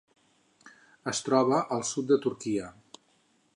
Es troba al sud de Turquia.